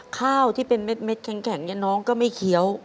ข้าวที่เป็นเม็ดแข็งน้องก็ไม่เคี้ยว